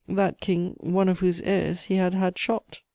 that King, one of whose heirs he had had shot!